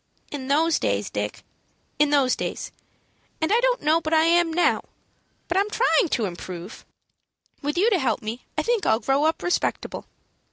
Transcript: "In those days, Dick." "In those days, and I don't know but I am now, but I'm trying to improve. With you to help me, I think I'll grow up respectable."